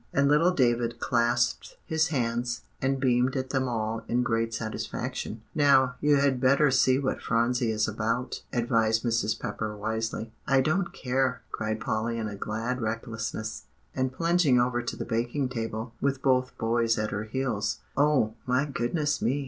And little David clasped his hands, and beamed at them all in great satisfaction. "Now you had better see what Phronsie is about," advised Mrs. Pepper wisely. "I don't care," cried Polly in a glad recklessness, and plunging over to the baking table, with both boys at her heels. "Oh, my goodness me!